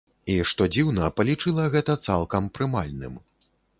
І, што дзіўна, палічыла гэта цалкам прымальным.